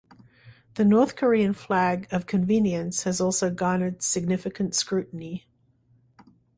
The North Korean flag of convenience has also garnered significant scrutiny.